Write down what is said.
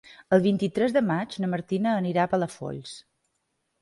El vint-i-tres de maig na Martina anirà a Palafolls.